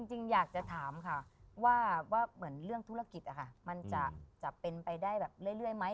จริงอยากจะถามค่ะว่าเหมือนเรื่องธุรกิจมันจะเป็นไปได้แบบเรื่อยไหม